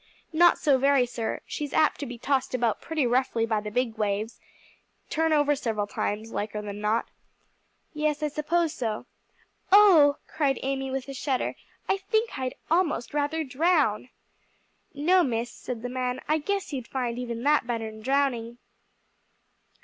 "Not so very sir; she's apt to be tossed about pretty roughly by the big waves; turn over several times, liker than not." "Yes, I suppose so." "Oh," cried Amy, with a shudder, "I think I'd almost rather drown." "No, Miss," said the man, "I guess you'd find even that better'n drowning."